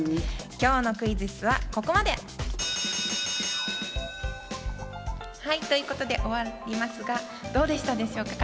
今日のクイズッスはここまで！ということで終わりますが、どうでしたでしょうか？